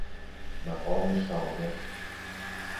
مقام شامخ